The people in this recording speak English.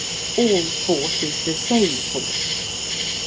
All Force is the same force.